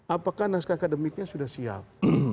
apakah naskah akademiknya sudah siap